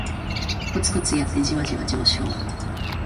コツコツやってジワジワ上昇